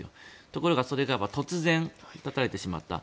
ところがそれが突然、絶たれてしまった。